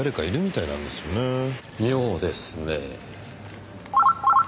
妙ですね。